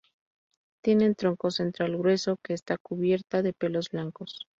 Tienen tronco central grueso que está cubierta de pelos blancos.